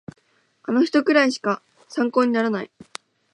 あの人くらいしか参考にならない